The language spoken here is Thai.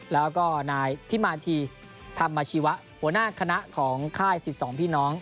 แล้วก็นายทิมาธีธรรมอาชีวะหัวหน้าคณะของค่าย๑๒พี่น้อง